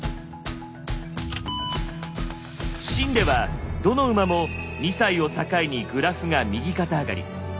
秦ではどの馬も２歳を境にグラフが右肩上がり。